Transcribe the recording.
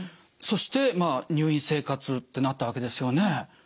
そしてまあ入院生活ってなったわけですよね。